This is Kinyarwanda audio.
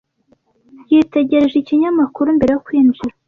Yitegereje ikinyamakuru mbere yo kwinjira.